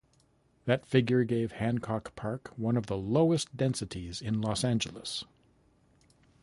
That figure gave Hancock Park one of the lowest densities in Los Angeles.